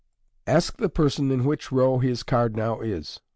Ask the person in which row his card now is.